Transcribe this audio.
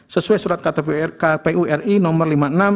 sesuai surat kpuri nomor lima puluh enam